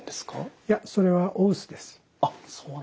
いやそれはお薄です。